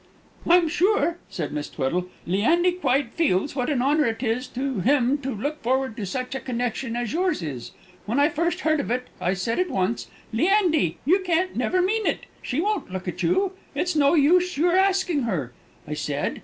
"I'm sure," said Miss Tweddle, "Leandy quite feels what an honour it is to him to look forward to such a connection as yours is. When I first heard of it, I said at once, 'Leandy, you can't never mean it; she won't look at you; it's no use your asking her,' I said.